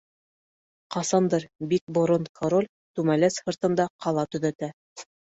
...Ҡасандыр бик борон король түмәләс һыртында ҡала төҙөтә.